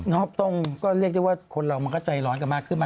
ต้องก็เรียกได้ว่าคนเรามันก็ใจร้อนกันมากขึ้นมาก